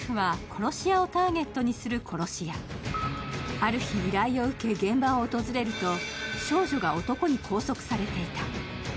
ある日、依頼を受け現場を訪れると少女が男に拘束されていた。